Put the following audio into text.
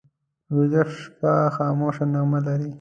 ویده شپه خاموشه نغمه لري